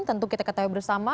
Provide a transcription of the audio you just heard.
tentu kita ketahui bersama